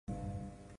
No audio